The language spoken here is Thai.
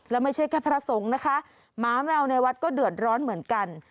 แล้วไม่ใช่แค่พระสงฆ์นะคะหมาแมวในวัดก็เดือดร้อนเหมือนกัน